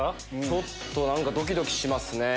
ちょっとドキドキしますね。